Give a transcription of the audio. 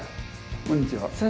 こんにちは。